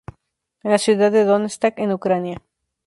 En la ciudad de Donetsk en Ucrania.